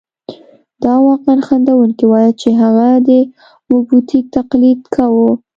دا واقعاً خندوونکې وه چې هغه د موبوتیک تقلید کاوه.